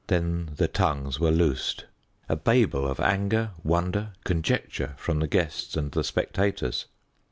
Then the tongues were loosed. A babel of anger, wonder, conjecture from the guests and the spectators.